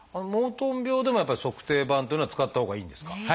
モートン病でもやっぱり足底板っていうのは使ったほうがいいんですか？